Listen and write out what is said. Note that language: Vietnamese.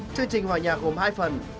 chương trình hòa nhạc gồm hai phần